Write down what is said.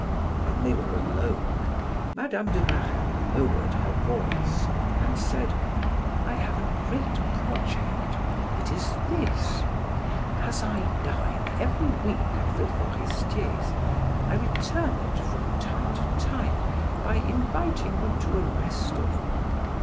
When they were alone, Mme. de Marelle lowered her voice and said: "I have a great project. It is this: As I dine every week at the Foresters', I return it from time to time by inviting them to a restaurant.